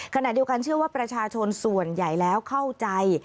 ขณะเดียวกันเชื่อว่าประชาชนส่วนใหญ่แล้วเข้าใจ